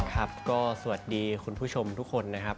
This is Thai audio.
ครับก็สวัสดีคุณผู้ชมทุกคนนะครับ